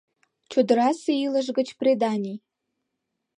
ЧОДЫРАСЕ ИЛЫШ ГЫЧ ПРЕДАНИЙ